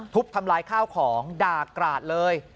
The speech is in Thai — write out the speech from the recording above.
ทำลายข้าวของด่ากราดเลย